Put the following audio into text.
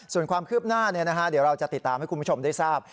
ส่วนความคืบหน้าเดี๋ยวเราจะติดตามให้คุณผู้ชมได้ทราบ